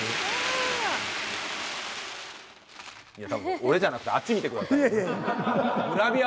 俺じゃなくてあっち見てくださいよ。